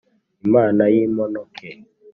Imana y'imponoke,